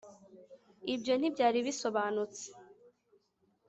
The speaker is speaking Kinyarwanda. ibyo ntibyari bisobanutse